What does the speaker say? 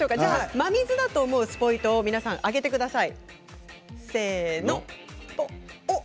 真水と思うスポイトを皆さんが上げてください。